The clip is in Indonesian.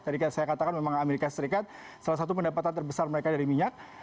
tadi saya katakan memang amerika serikat salah satu pendapatan terbesar mereka dari minyak